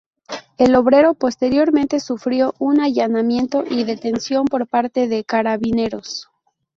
El obrero posteriormente sufrió un allanamiento y detención por parte de Carabineros.